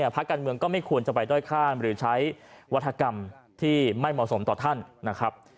พักการเมืองก็ไม่ควรจะไปด้อยข้ามหรือใช้วัฒกรรมที่ไม่เหมาะสมต่อท่านนะครับ